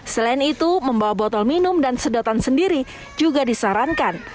selain itu membawa botol minum dan sedotan sendiri juga disarankan